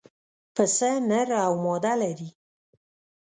پسه نر او ماده لري.